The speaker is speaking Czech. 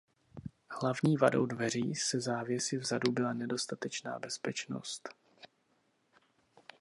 Hlavní vadou dveří se závěsy vzadu byla nedostatečná bezpečnost.